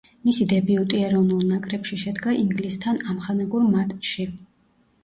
მისი დებიუტი ეროვნულ ნაკრებში შედგა ინგლისთან ამხანაგურ მატჩში.